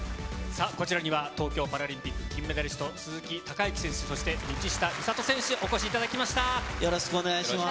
こちらには東京パラリンピックの金メダリスト、鈴木孝幸選手、道下美里選手にお越しいただきました。